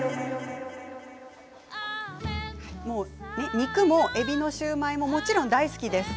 肉もえびのシューマイももちろん大好きです。